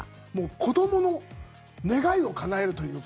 子どもの願いをかなえるというか。